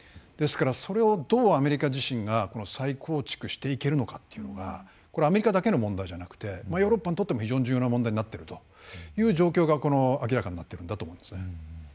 ですからそれをどうアメリカ自身が再構築していけるのかというのがアメリカだけの問題じゃなくヨーロッパにとっても非常に重要な問題になっているという状況が明らかになっているんだと思います。